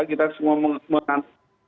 kita semua mengantar